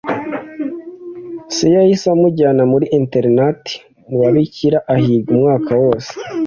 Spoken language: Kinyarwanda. se yahise amujyana muri internat mu babikira ahiga umwaka wose